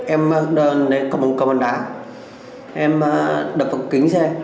em lấy cổng bằng đá em đập vỡ cửa kính xe